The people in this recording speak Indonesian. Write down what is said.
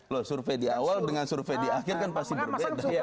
loh survei di awal dengan survei di akhir kan pasti berbeda